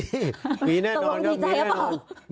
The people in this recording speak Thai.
ตกลงดีใจหรือเปล่า